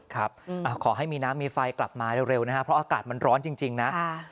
ขอให้มีน้ำมีไฟกลับมาเร็วนะครับเพราะอากาศมันร้อนจริงนะ